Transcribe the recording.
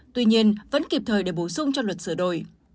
tuy nhiên vẫn kịp thời để bổ sung cho luật sửa đổi